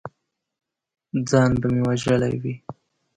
ځان به مې وژلی وي!